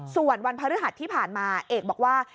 ส่วนวันพฤหัสที่ผ่านมาเอกบอกว่า